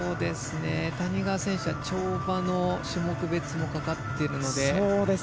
谷川選手は跳馬の種目別もかかってるので。